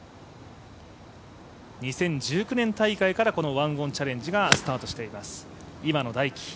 ２０１９年大会から、この１オンチャレンジがスタートしています。